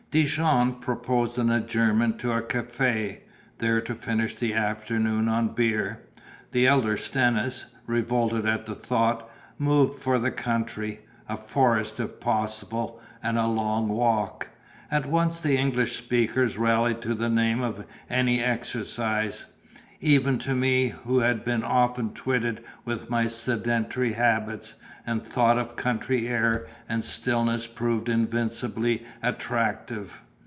Dijon proposed an adjournment to a cafe, there to finish the afternoon on beer; the elder Stennis, revolted at the thought, moved for the country, a forest if possible, and a long walk. At once the English speakers rallied to the name of any exercise: even to me, who have been often twitted with my sedentary habits, the thought of country air and stillness proved invincibly attractive.